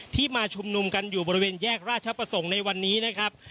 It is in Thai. มาชุมนุมกันอยู่บริเวณแยกราชประสงค์ในวันนี้นะครับ